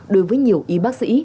đối với nhiều y bác sĩ